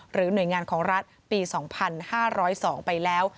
หน่วยงานของรัฐปี๒๕๐๒ไปแล้ว